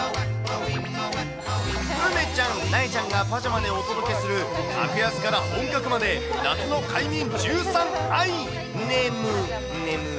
梅ちゃん、なえちゃんがパジャマでお届けする、格安から本格まで、夏の快眠１３アイねむ、ねむ。